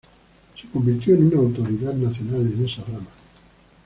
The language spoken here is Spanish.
Se convirtió en una autoridad nacional en esa rama.